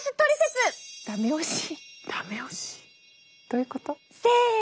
どういうこと？